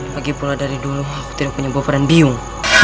lagipula dari dulu aku tidak punya boparan biung